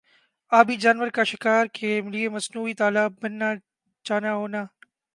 آبی جانور کا شکار کا لئے مصنوعی تالاب بننا جانا ہونا